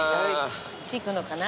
こっち行くのかな？